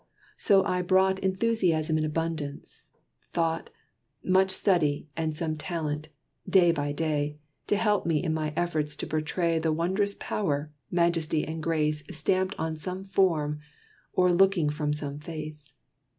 So I brought Enthusiasm in abundance, thought, Much study, and some talent, day by day, To help me in my efforts to portray The wond'rous power, majesty and grace Stamped on some form, or looking from some face.